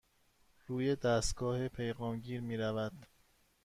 روی دستگاه پیغام گیر می رود.